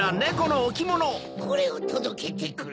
これをとどけてくれ。